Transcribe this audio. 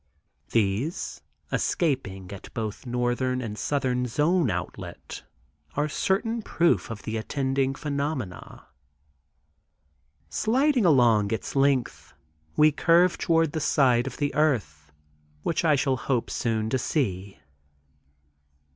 These escaping at both northern and southern zone outlet, are certain proof of the attending phenomena). Sliding along its length we curve toward the side of the earth which I shall hope soon to see.